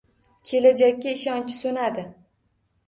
Kelajakka ishonchi soʻnadi